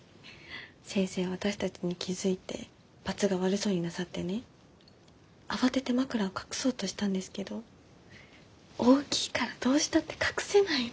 先生私たちに気付いてバツが悪そうになさってね慌てて枕を隠そうとしたんですけど大きいからどうしたって隠せないの。